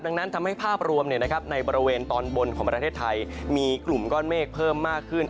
ดังนั้นทำให้ภาพรวมในบริเวณตอนบนของประเทศไทยมีกลุ่มก้อนเมฆเพิ่มมากขึ้น